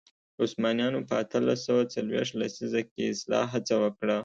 عثمانیانو په اتلس سوه څلوېښت لسیزه کې اصلاح هڅه وکړه.